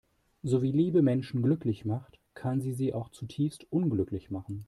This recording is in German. So wie Liebe Menschen glücklich macht, kann sie sie auch zutiefst unglücklich machen.